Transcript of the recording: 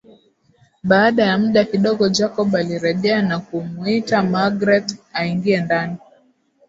baada ya muda kidogo Jacob alirejea na kumuita magreth aingie ndani